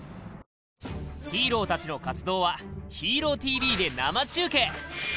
ヒーローたちの活動は「ＨＥＲＯＴＶ」で生中継！